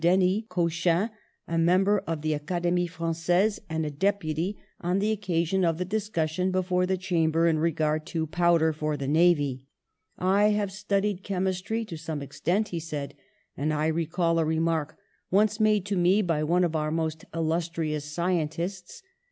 Denys Cochin, a member of the Academie Frangaise and a deputy, on the occa THE CURATIVE POISON 121 sion of the discussion before the Chamber in regard to powder for the navy. 'T have studied chemistry to some extent/' he said, ^'and I recall a remark once made to me by one of our most illustrious scientists.